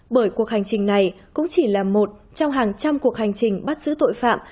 bởi cuộc hành trình này cũng chỉ là một trong hàng trăm cuộc hành trình bắt giữ tội phạm